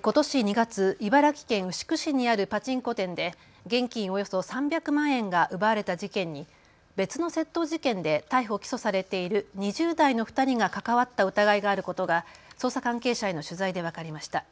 ことし２月、茨城県牛久市にあるパチンコ店で現金およそ３００万円が奪われた事件に別の窃盗事件で逮捕・起訴されている２０代の２人が関わった疑いがあることが捜査関係者への取材で分かりました。